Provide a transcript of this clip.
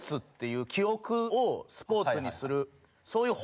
いう記憶をスポーツにする。